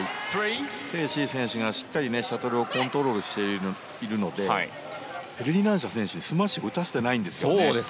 テイ・シイ選手がしっかりシャトルをコントロールしているのでフェルディナンシャ選手にスマッシュを打たせてないんですよね。